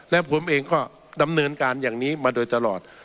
และผมเองก็ดำเนินการอย่างนี้มาโดยตลอด